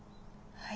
はい。